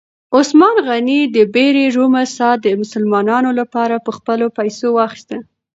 عثمان غني د بئر رومه څاه د مسلمانانو لپاره په خپلو پیسو واخیسته.